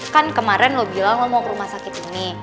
kan kemarin lo bilang ngomong ke rumah sakit ini